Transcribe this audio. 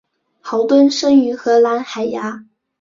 豪敦生于荷兰海牙。